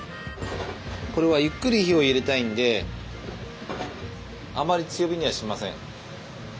これはゆっくり火を入れたいんであまり強火にはしません。